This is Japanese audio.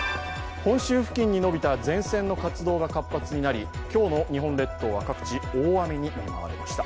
本州付近にのびた前線の活動が活発になり、今日の日本列島は各地、大雨に見舞われました。